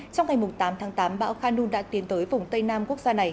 trong ngày tám tháng tám bão khanun đã tiến tới vùng tây nam quốc gia này